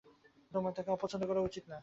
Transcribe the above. তোমার তাকে অপছন্দ করা উচিত না।